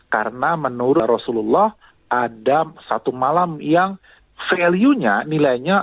karena menurut rasulullah ada satu malam yang value nya nilainya